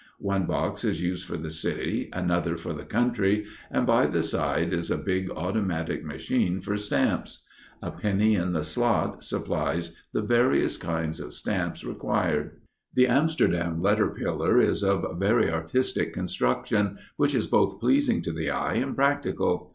One box is used for the city, another for the country, and by the side is a big automatic machine for stamps. A "penny in the slot" supplies the various kinds of stamps required. The Amsterdam letter pillar is of very artistic construction, which is both pleasing to the eye and practical.